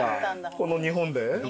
この日本で。